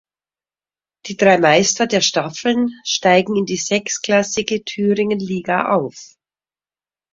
Die drei Meister der Staffeln steigen in die sechstklassige Thüringenliga auf.